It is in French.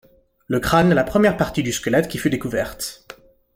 Le crâne est la première partie du squelette qui fut découverte.